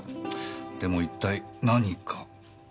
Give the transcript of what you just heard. でも一体何か？